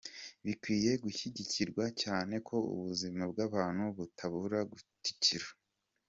Bikwiye gushyigikirwa cyane ko ubuzima bwa bantu butabura gutikira.